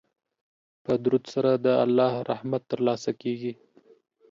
په درود سره د الله رحمت ترلاسه کیږي.